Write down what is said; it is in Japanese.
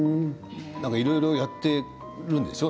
いろいろやっているんでしょう？